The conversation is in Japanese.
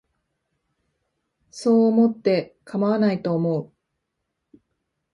そう思ってかまわないと思う